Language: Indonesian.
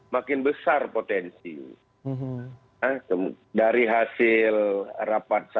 makin besar potensi dari hasil rapat